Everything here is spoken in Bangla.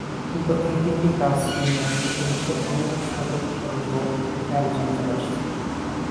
কিন্তু এই তিনটি কাজ নিয়ে ইতিহাসে অনেক শতক পুর্ব থেকে আলোচনা চলে আসছে।